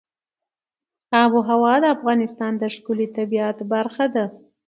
آب وهوا د افغانستان د ښکلي طبیعت برخه ده.